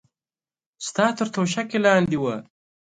ستا تر توشکې لاندې وه.